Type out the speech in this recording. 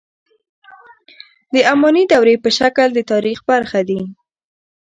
د اماني دورې په شکل د تاریخ برخه دي.